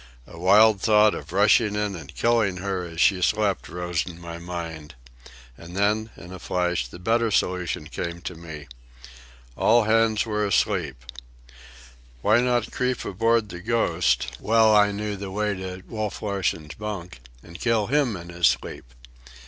A wild thought of rushing in and killing her as she slept rose in my mind. And then, in a flash, the better solution came to me. All hands were asleep. Why not creep aboard the Ghost,—well I knew the way to Wolf Larsen's bunk,—and kill him in his sleep?